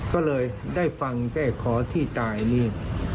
ก็เลยได้ฟังแต่ขอที่ตายนี่